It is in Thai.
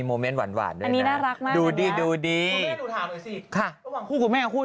อู้วนี่ไง